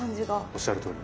おっしゃるとおり。